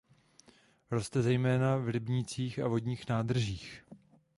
Roste zejména v rybnících a vodních nádržích.